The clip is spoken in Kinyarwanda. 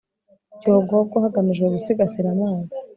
cyogogo hagamijwe gusigasira amazi